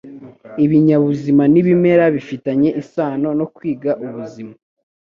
Ibinyabuzima n'ibimera bifitanye isano no kwiga ubuzima.